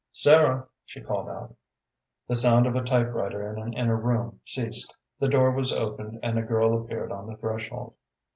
"Sarah," she called out. The sound of a typewriter in an inner room ceased. The door was opened and a girl appeared on the threshold.